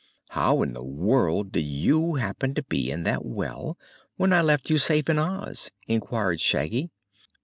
"How in the world did you happen to be in that well, when I left you safe in Oz?" inquired Shaggy.